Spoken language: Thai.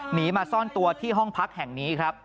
หนีมาซ่อนตัวที่ห้องพักแห่งนี้ครับ